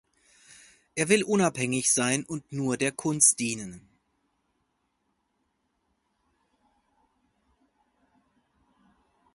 Er will unabhängig sein und nur der Kunst dienen.